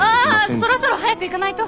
ああそろそろ早く行かないと。